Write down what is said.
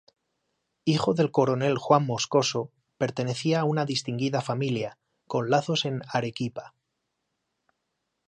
Hijo del coronel Juan Moscoso, pertenecía a una distinguida familia, con lazos en Arequipa.